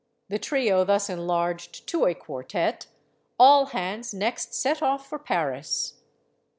The trio thus enlarged to a quartet, all hands next set off for Paris.